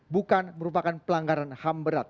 bukan merupakan pelanggaran ham berat